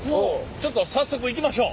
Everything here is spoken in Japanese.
ちょっと早速行きましょう。